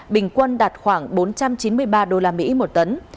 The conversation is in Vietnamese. bình quân đạt khoảng bốn trăm chín mươi ba usd một tấn